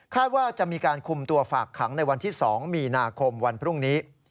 ว่าจะมีการคุมตัวฝากขังในวันที่๒มีนาคมวันพรุ่งนี้